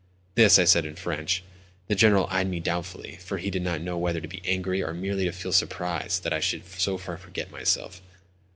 This I said in French. The General eyed me doubtfully, for he did not know whether to be angry or merely to feel surprised that I should so far forget myself.